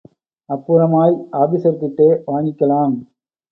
அப்புறமாய் ஆபீஸர்கிட்ட வாங்கிக்கலாம்.